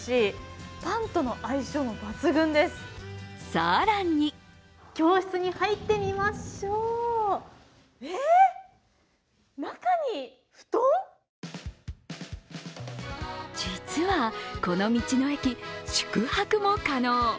更に実はこの道の駅、宿泊も可能。